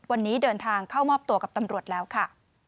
วันนี้เดินทางเข้ามอบตัวกับตำรวจแล้วค่ะ